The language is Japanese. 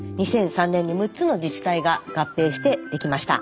２００３年に６つの自治体が合併してできました。